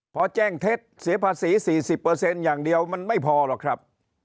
พอแจ้งเท็จเสียภาษี๔๐อย่างเดียวมันไม่พอหรอกครับ